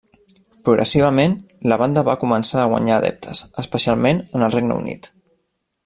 Progressivament, la banda va començar a guanyar adeptes, especialment en el Regne Unit.